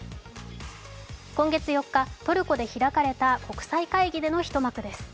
今月４日、トルコで開かれた国際会議での一幕です。